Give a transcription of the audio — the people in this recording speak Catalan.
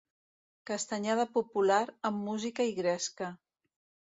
Castanyada popular amb música i gresca.